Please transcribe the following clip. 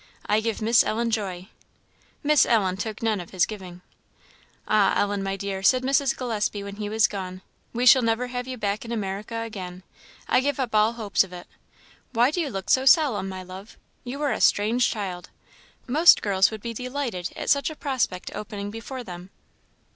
I give Miss Ellen joy." Miss Ellen took none of his giving. "Ah, Ellen, my dear," said Mrs. Gillespie, when he was gone "we shall never have you back in America again. I give up all hopes of it. Why do you look so solemn, my love? You are a strange child; most girls would be delighted at such a prospect opening before them."